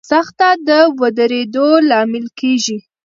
سختي د ودرېدو لامل کېږي.